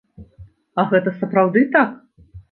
А гэта сапраўды так?